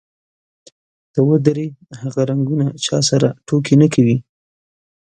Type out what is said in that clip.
ته ودرې، هغه رنګونه چا سره ټوکې نه کوي.